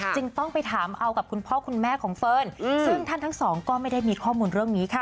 จึงต้องไปถามเอากับคุณพ่อคุณแม่ของเฟิร์นซึ่งท่านทั้งสองก็ไม่ได้มีข้อมูลเรื่องนี้ค่ะ